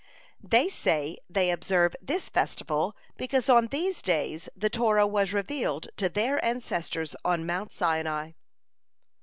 They say they observe this festival, because on these days the Torah was revealed to their ancestors on Mount Sinai.